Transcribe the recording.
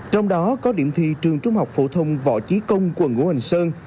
trong đó có điểm thi trường trung học phổ thông võ trí công quận ngũ hành sơn